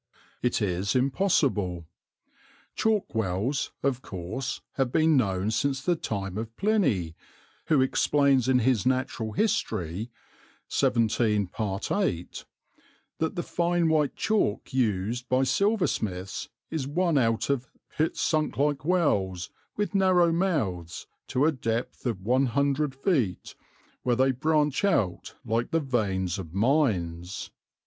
It is impossible. Chalk wells, of course, have been known since the time of Pliny, who explains in his Natural History (XVII 8) that the fine white chalk used by silversmiths is won out of "pits sunk like wells, with narrow mouths, to a depth of 100 ft. where they branch out like the veins of mines."